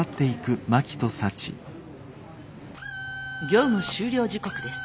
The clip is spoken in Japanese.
業務終了時刻です。